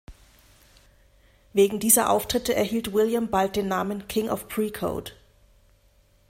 Wegen dieser Auftritte erhielt William bald den Namen „King of Pre-Code“.